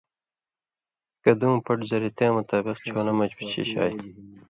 کدُوں پٹ زرتیاں مطابق چھوݩلہ مژ شِشائ۔